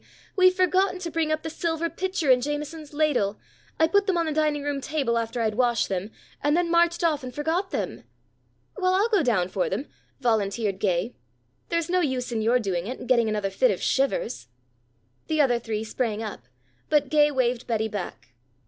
We've forgotten to bring up the silver pitcher and Jameson's ladle. I put them on the dining room table after I'd washed them, and then marched off and forgot them." "Well, I'll go down for them," volunteered Gay. "There's no use in your doing it and getting another fit of shivers." The other three sprang up, but Gay waved Betty back.